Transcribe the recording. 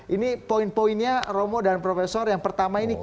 ini poin poinnya romo dan profesor yang pertama ini